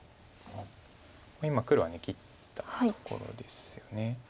今黒は切ったところですよね。